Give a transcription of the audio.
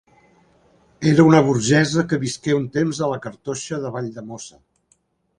Era una burgesa que visqué un temps a la Cartoixa de Valldemossa.